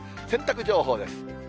洗濯情報です。